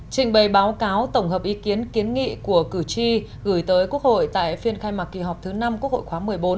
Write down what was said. trình bày báo cáo tổng hợp ý kiến kiến nghị của cử tri gửi tới quốc hội tại phiên khai mạc kỳ họp thứ năm quốc hội khóa một mươi bốn